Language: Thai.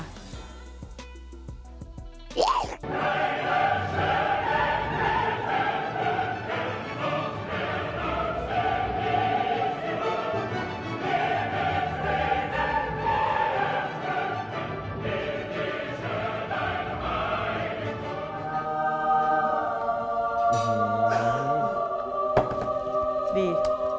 อ่ออาจจะมากดี